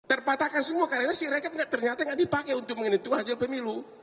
terpatahkan semua karena si rakyat ternyata tidak dipakai untuk menyentuh hasil pemilu